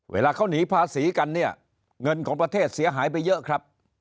เวลาเขาหนีภาษีกันเนี่ยเงินของประเทศเสียหายไปเยอะครับ